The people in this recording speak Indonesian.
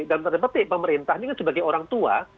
dalam tanda petik pemerintah ini kan sebagai orang tua